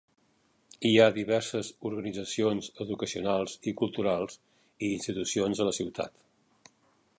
Hi ha diverses organitzacions educacionals i culturals i institucions a la ciutat.